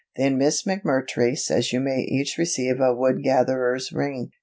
Then Miss McMurtry says you may each receive a woodgatherers' ring.